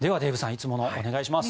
いつものお願いします。